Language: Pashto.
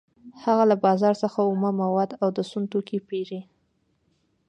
هغه له بازار څخه اومه مواد او د سون توکي پېري